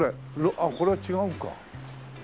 あっこれは違うか。